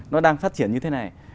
nó đang phát triển như thế này